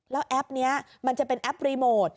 แล้วแอปนี้มันจะเป็นแอปรีโมท